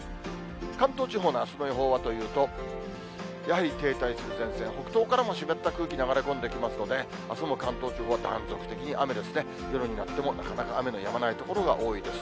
関東地方のあすの予報はというと、やはり停滞する前線、北東からも湿った空気が流れ込んできますので、あすも関東地方は断続的に雨ですね、夜になってもなかなか雨のやまない所が多いです。